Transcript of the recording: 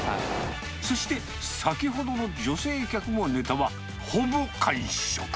そして、先ほどの女性客もネタはほぼ完食。